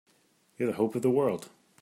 You're the hope of the world!